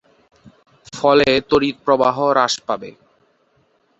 ফলে তড়িৎ প্রবাহ হ্রাস পাবে।